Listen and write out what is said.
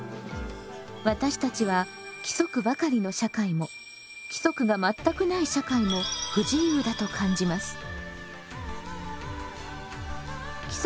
私たちは規則ばかりの社会も規則が全くない社会も不自由だと感じます。